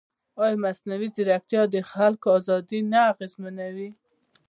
ایا مصنوعي ځیرکتیا د خلکو ازادي نه اغېزمنوي؟